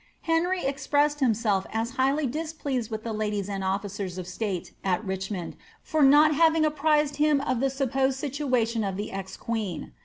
Henry expressed himself as highly displeased with the ladies and ofHcers of state at Richmond, for not having apprised him of the supposed situation of the ex qneen.